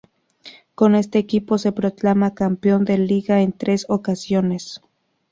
Con este equipo se proclama campeón de Liga en tres ocasiones.